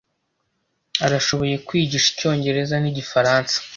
Arashoboye kwigisha icyongereza nigifaransa.